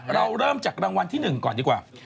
เราเริ่มจากรางวัลที่๑ก่อนดีกว่า